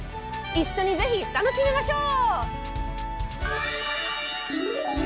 一緒にぜひ、楽しみましょう！